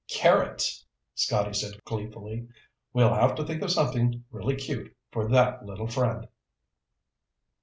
"Carrots," Scotty said gleefully. "We'll have to think of something really cute for that little friend."